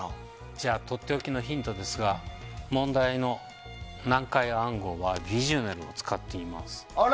じゃあとっておきのヒントですが問題の難解暗号はヴィジュネルを使っています。